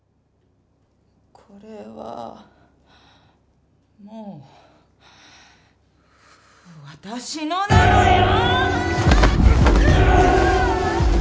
これはもう私のなのよ！